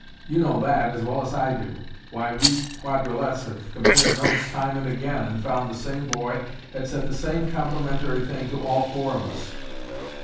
You know that as well as I do. Why, we Quadralettes have compared notes time and again and found the same boy had said the same complimentary thing to all four of us."